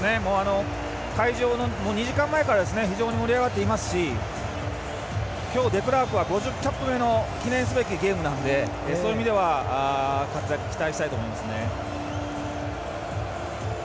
会場、２時間前から非常に盛り上がっていますし今日、デクラークは５０キャップ目の記念すべきゲームなので活躍を期待したいと思いますね。